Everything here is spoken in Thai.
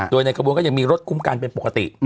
โดยในขบวนก็ยังมีรถคุ้มกันเป็นปกติ